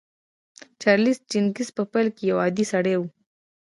چارليس ډيکنز په پيل کې يو عادي سړی و.